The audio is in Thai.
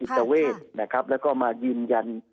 ตเวทนะครับแล้วก็มายืนยัน